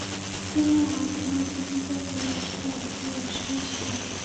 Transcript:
军用和民用飞机都可以使用敌友识别系统。